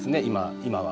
今は。